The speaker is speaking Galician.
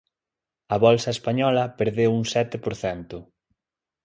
A bolsa española perdeu un sete por cento.